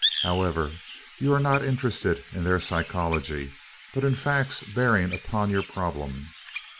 However, you are not interested in their psychology, but in facts bearing upon your problem.